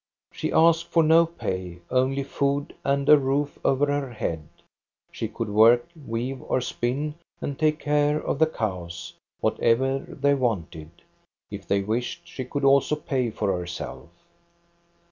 She asked for no pay, only food and a roof over her head. She could work, weave or spin, and take care of the cows, — whatever they wanted. If they wished, she could also pay for herself.